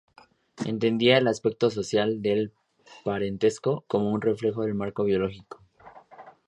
Entendía el aspecto social del parentesco como un reflejo del marco biológico.